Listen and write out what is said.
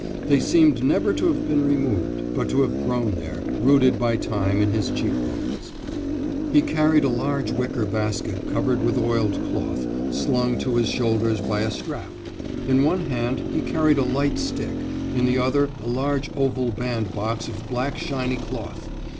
They seemed never to have been removed, but to have grown there, rooted by time in his cheek bones. He carried a large wicker basket covered with oiled cloth, slung to his shoulder by a strap; in one hand he carried a light stick, in the other a large oval bandbox of black shiny cloth.